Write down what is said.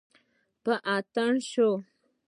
په اتڼ شوي